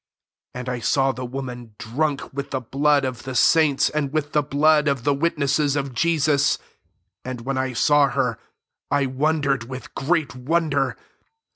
6 And I saw the woman drunk with the blood of the saints, and with the blood of the witnesses of Jesus : and when I saw her, I wondered with great wonder.